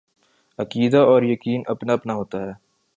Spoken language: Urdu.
عقیدہ اور یقین اپنا اپنا ہوتا ہے۔